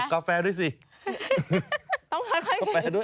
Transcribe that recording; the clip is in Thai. อ่ำตัวนี่ข้ามบลวก